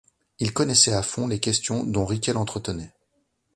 Il connaissait à fond les questions dont Riquet l'entretenait.